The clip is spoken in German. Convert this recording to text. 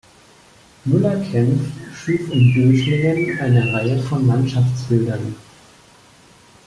Müller-Kaempff schuf in Dötlingen eine Reihe von Landschaftsbildern.